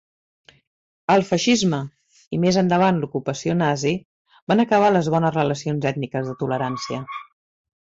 El feixisme i, més endavant la ocupació nazi, van acabar les bones relacions ètniques de tolerància.